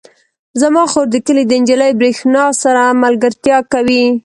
زما خور د کلي د نجلۍ برښنا سره ملګرتیا کوي.